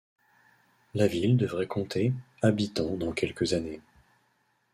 La ville devrait compter habitants dans quelques années.